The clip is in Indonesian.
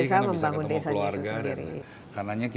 kerja di desa membangun desanya sendiri